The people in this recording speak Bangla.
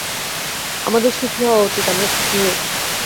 আমাদের সুখী হওয়া উচিত, আমরা সুখী হই।